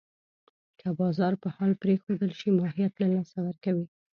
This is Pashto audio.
که بازار په حال پرېښودل شي، ماهیت له لاسه ورکوي.